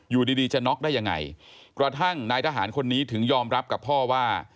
อยู่ดีดีจะน็อกได้ยังไงกระทั่งนายทหารคนนี้ถึงยอมรับกับพ่อว่า